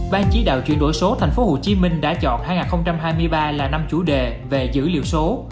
ban chỉ đạo chuyển đổi số tp hcm đã chọn hai nghìn hai mươi ba là năm chủ đề về dữ liệu số